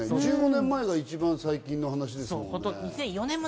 １５年前が一番最近の話ですよね。